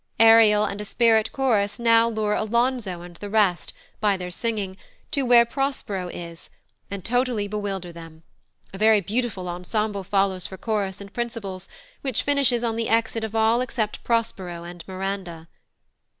Ariel and a spirit chorus now lure Alonzo and the rest, by their singing, to where Prospero is, and totally bewilder them; a very beautiful ensemble follows for chorus and principals, which finishes on the exit of all except Prospero and Miranda.